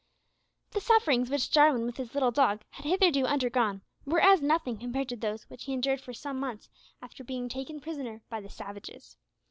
The sufferings which Jarwin with his little dog had hitherto undergone were as nothing compared to those which he endured for some months after being taken prisoner by the savages.